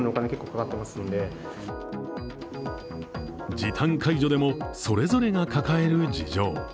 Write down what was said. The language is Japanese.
時短解除でそれぞれが抱える事情。